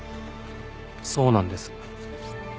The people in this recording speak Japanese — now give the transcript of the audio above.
そうなんです。